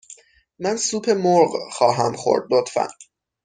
من سوپ مرغ خواهم خورد، لطفاً.